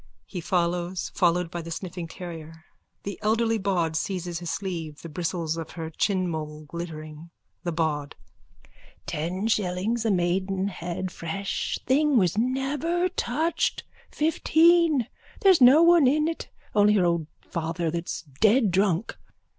_(He follows, followed by the sniffing terrier. The elderly bawd seizes his sleeve, the bristles of her chinmole glittering.)_ THE BAWD: Ten shillings a maidenhead. Fresh thing was never touched. Fifteen. There's no one in it only her old father that's dead drunk.